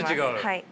はい。